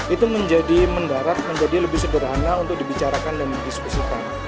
itu menjadi mendarat menjadi lebih sederhana untuk dibicarakan dan didiskusikan